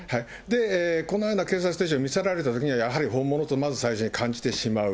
このような警察手帳を見せられたときには、やはり本物とまず最初に感じてしまう。